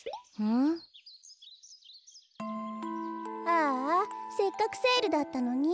ああせっかくセールだったのに。